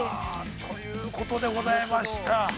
◆ということでございました。